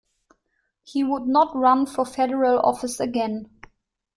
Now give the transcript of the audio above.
He would not run for federal office again.